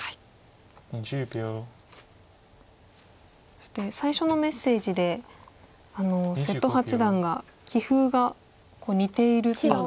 そして最初のメッセージで瀬戸八段が棋風が似ているようなと。